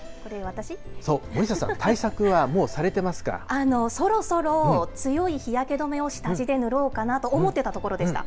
そう、森下さん、対策はもうそろそろ強い日焼け止めを下地で塗ろうかなと思ってたところでした。